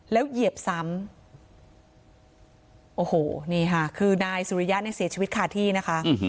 แล้วเหยียบซ้ำโอ้โหนี่ค่ะคือนายสุริยะเนี่ยเสียชีวิตคาที่นะคะ